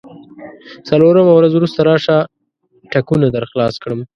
څلورمه ورځ وروسته راشه، ټکونه درخلاص کړم.